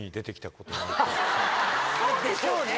そうでしょうね。